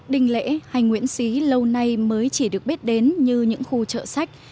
đình lễ hay nguyễn xí lâu nay mới chỉ được biết đến như những khu chợ sách